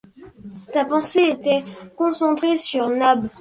Sa pensée était concentrée sur Nab